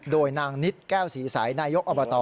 โดยนางนิดแก้วศรีสายนายกอบต